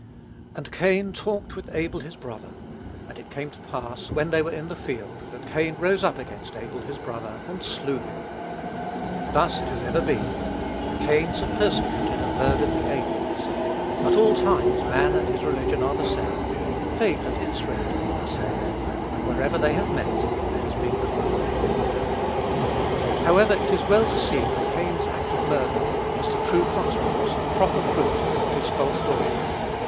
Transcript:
"And Cain talked with Abel his brother: and it came to pass, when they were in the field, that Cain rose up against Abel his brother, and slew him." Thus has it ever been; the Cains have persecuted and murdered the Abels. At all times, man and his religion are the same; faith and its religion are the same: and wherever they have met, there has been conflict. However, it is well to see that Cain's act of murder was the true consequence the proper fruit of his false worship.